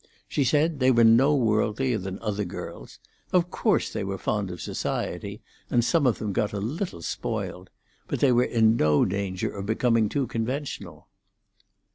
She said they were no worldlier than other girls. Of course, they were fond of society, and some of them got a little spoiled. But they were in no danger of becoming too conventional.